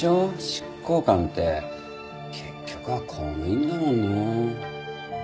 執行官って結局は公務員だもんね。